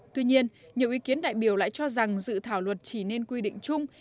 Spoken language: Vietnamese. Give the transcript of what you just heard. tuy nhiên nhiều ý kiến đại biểu lại cho rằng dự thảo luật chỉ nên quy định chung